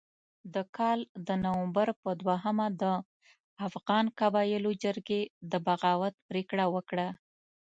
د کال د نومبر په دوهمه د افغان قبایلو جرګې د بغاوت پرېکړه وکړه.